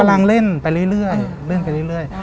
กำลังเล่นไปเรื่อย